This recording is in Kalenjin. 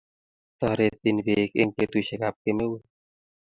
Tareti peek eng' petushek ab kemeut